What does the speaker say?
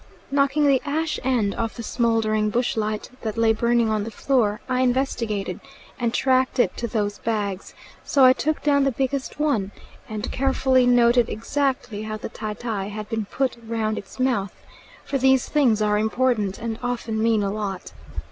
Knocking the ash end off the smouldering bush light that lay burning on the floor, I investigated, and tracked it to those bags, so I took down the biggest one, and carefully noted exactly how the tie tie had been put round its mouth; for these things are important and often mean a lot.